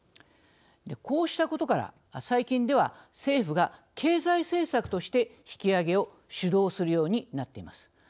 こうしたことから最近では、政府が経済政策として引き上げを主導するようになっています。